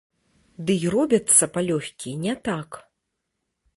Дый робяцца палёгкі не так.